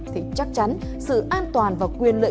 thì chắc chắn sự an toàn và quyền lợi